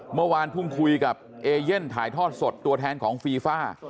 เมื่อวานเพิ่งคุยกับเอเย่นถ่ายทอดสดตัวแทนของฟีฟ่า